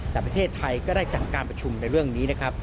แต่ประเทศไทยก็ได้จัดการประชุมในเรื่องนี้นะครับ